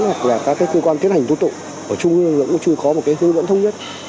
hoặc là các cơ quan tiến hành tố tụ ở chung cũng chưa có một cái hướng dẫn thông nhất